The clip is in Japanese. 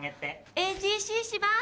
ＡＧＣします。